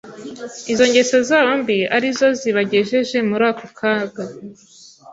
izo ngeso zabo mbi ari zo zibagejeje muri ako kaga.